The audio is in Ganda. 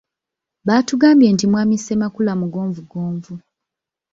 Batugambye nti mwami Ssemakula mugonvugonvu.